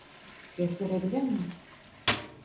Gösterebilir miyim?